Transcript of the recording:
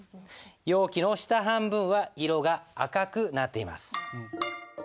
容器の下半分は色が赤くなっています。